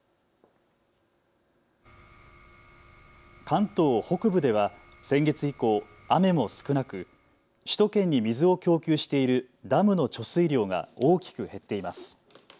関東北部では先月以降、雨も少なく首都圏に水を供給しているダムの貯水量が大きく減っています。